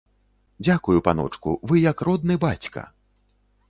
Дзякую, паночку, вы як родны бацька!